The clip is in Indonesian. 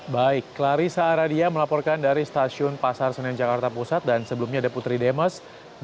baik clarissa aradia melaporkan dari stasiun pasar senen jakarta pusat dan sebelumnya ada putri demes